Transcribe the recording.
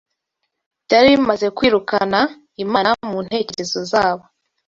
byari bimaze kwirukana Imana mu ntekerezo zabo